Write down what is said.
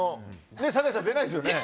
酒井さん、出ないですよね。